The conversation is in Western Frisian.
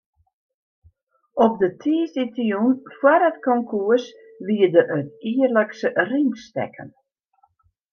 Op de tiisdeitejûn foar it konkoers wie der it jierlikse ringstekken.